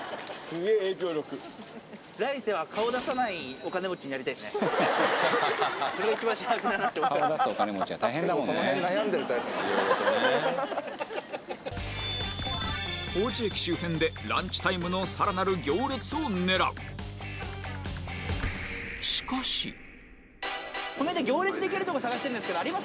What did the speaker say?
結構王子駅周辺でランチタイムのさらなる行列を狙うこの辺で行列できるとこ探してるんですけどあります？